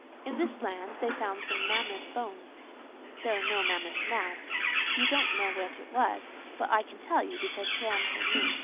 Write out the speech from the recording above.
In this land, they found some mammoth bones: there are no mammoths now. You don't know what it was; but I can tell you, because Graham told me.